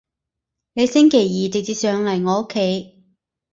你星期二直接上嚟我屋企